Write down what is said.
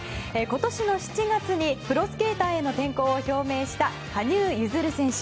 今年の７月にプロスケーターへの転向を表明した羽生結弦選手。